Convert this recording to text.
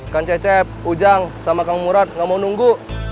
kan cecep ujang sama kang murad gak mau nunggu